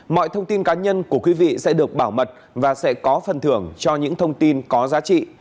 mọi thông tin cá nhân của quý vị sẽ được bảo mật và sẽ có phần thưởng cho những thông tin có giá trị